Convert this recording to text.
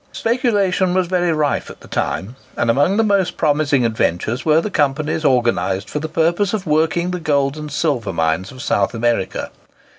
Speculation was very rife at the time; and amongst the most promising adventures were the companies organised for the purpose of working the gold and silver mines of South America.